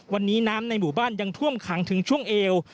วันนี้น้ำในหมู่บ้านยังท่วมขังถึงช่วงเอว